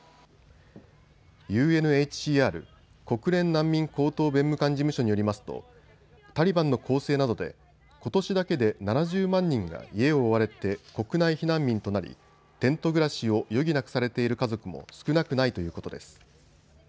ＵＮＨＣＲ・国連難民高等弁務官事務所によりますとタリバンの攻勢などでことしだけで７０万人が家を追われて国内避難民となり、テント暮らしを余儀なくされている家族も少なくないということです。